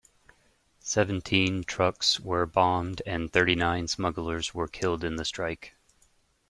Seventeen trucks were bombed and thirty-nine smugglers were killed in the strike.